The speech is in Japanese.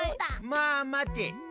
まあまて。